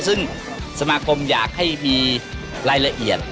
ซึ่งสมาคมอยากให้มีรายละเอียด